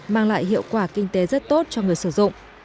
mang lại hiệu quả kinh tế rất tốt cho người sử dụng